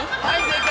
正解。